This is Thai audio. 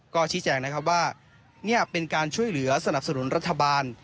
ก็ชี้แจงนะครับว่านี่เป็นการช่วยเหลือสนับสนุนรัฐบาล